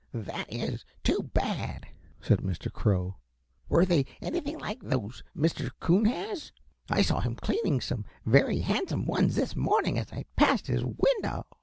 "That is too bad," said Mr. Crow. "Were they anything like those Mr. Coon has? I saw him cleaning some very handsome ones this morning as I passed his window."